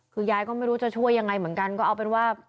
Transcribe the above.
คือยายก็ไม่รู้จะช่วยยังไงเหมือนกันก็เอาเป็นว่า